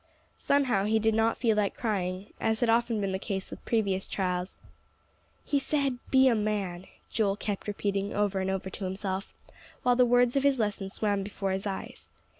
Somehow he did not feel like crying, as had often been the case with previous trials. "He said, 'Be a man,'" Joel kept repeating over and over to himself, while the words of his lesson swam before his eyes.